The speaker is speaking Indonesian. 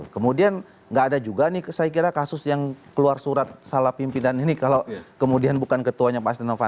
kemudian nggak ada juga nih saya kira kasus yang keluar surat salah pimpinan ini kalau kemudian bukan ketuanya pak astiano fanto